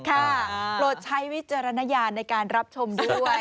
โปรดใช้วิจารณญาณในการรับชมด้วย